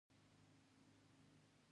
د دې نه وروستو ادم خان